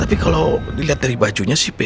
tapi kalo diliat dari bajunya sih beda